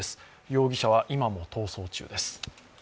容疑者は今も逃走中です。